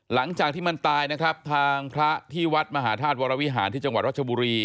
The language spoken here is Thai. หลังจากที่มันตายนะครับทางพระที่วัดมหาธาตุวรวิหารที่จังหวัดรัชบุรี